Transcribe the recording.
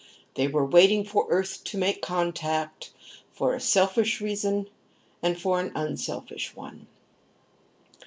They were waiting for Earth to make contact, for a selfish reason and for an unselfish one.